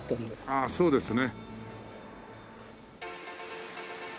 ああそうですね。